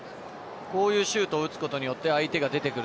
こういうシュートを打つことによって相手が出てくる。